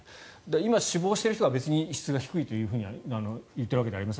今、志望している人が質が低いと言っているわけではありません。